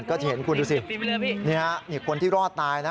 ก็จะเห็นคุณดูสินี่ฮะนี่คนที่รอดตายนะ